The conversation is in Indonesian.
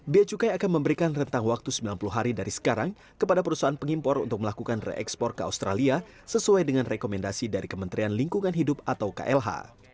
beacukai akan memberikan rentang waktu sembilan puluh hari dari sekarang kepada perusahaan pengimpor untuk melakukan reekspor ke australia sesuai dengan rekomendasi dari kementerian lingkungan hidup atau klh